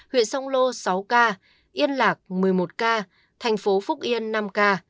huyện sông lô sáu ca yên lạc một mươi một ca thành phố phúc yên năm ca